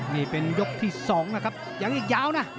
นี่เป็นยกที่๒นะครับยังอีกยาวนะ